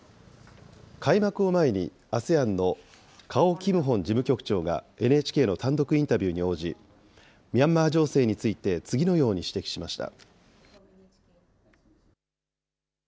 開幕を前に、ＡＳＥＡＮのカオ・キムホン事務局長がＮＨＫの単独インタビューに応じ、ミャンマー情勢について次のように指摘しました。